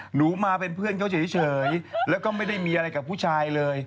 หนูมาเป็นเพื่อนเขาเฉยแล้วก็ไม่ได้มีอะไรกับผู้ชายเลย